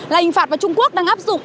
là hình phạt vào trung quốc đang áp dụng